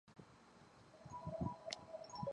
近年经修复转为民用机场。